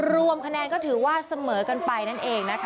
รวมคะแนนก็ถือว่าเสมอกันไปนั่นเองนะคะ